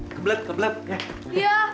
kebelet kebelet ya